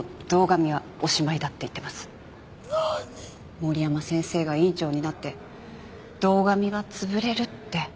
森山先生が院長になって堂上は潰れるって。